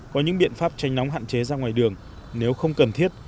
có những biện pháp tranh nóng hạn chế ra ngoài đường nếu không cần thiết